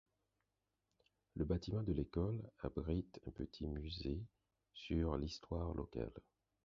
Le bâtiment de l'école abrite un petit musée sur l'histoire locale.